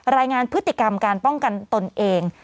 รายงานพฤติกรรมการป้องกันตนเอง